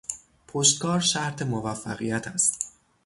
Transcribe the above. پشتکار شرط موفقیت است.